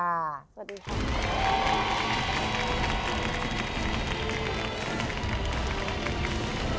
สวัสดีค่ะ